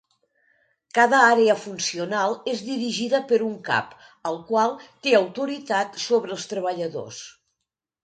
Cada àrea funcional és dirigida per un cap, el qual té autoritat sobre els treballadors.